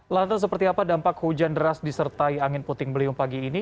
lantas seperti apa dampak hujan deras disertai angin puting beliung pagi ini